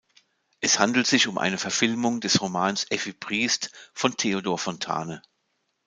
Es handelt sich um eine Verfilmung des Romans "Effi Briest" von Theodor Fontane.